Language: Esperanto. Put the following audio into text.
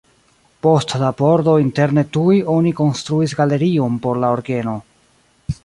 Post la pordo interne tuj oni konstruis galerion por la orgeno.